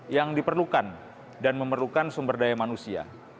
yang diperlukan dan memerlukan sumber daya manusia